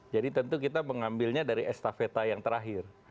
tentu kita mengambilnya dari estafeta yang terakhir